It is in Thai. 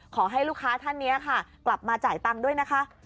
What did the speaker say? ขอให้ลูกค้าท่านนี้ค่ะกลับมาจ่ายตังค์ด้วยนะคะ